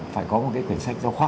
phải có một cái quyển sách giáo khoa